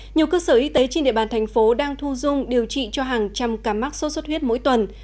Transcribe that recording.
nhiều cơ sở y tế trên địa bàn thành phố đang thu dung điều trị cho hàng trăm ca mắc sốt xuất huyết mỗi tuần